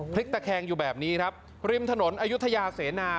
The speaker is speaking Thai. พลิกตะแคงอยู่แบบนี้ครับริมถนนเสนนา